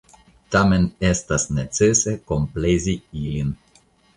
Tamen estas necese komplezi ilin.